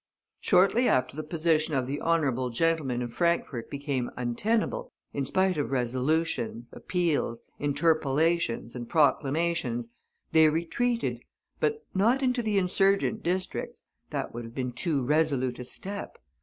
Shortly after the position of the honorable gentlemen in Frankfort became untenable, in spite of resolutions, appeals, interpellations, and proclamations, they retreated, but not into the insurgent districts; that would have been too resolute a step.